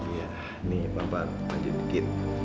iya nih bapak panjang dikit